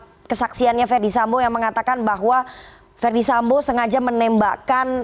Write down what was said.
tidak ada kesaksiannya ferdis sambo yang mengatakan bahwa ferdis sambo sengaja menembakkan